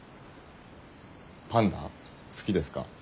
パンダ好きですか？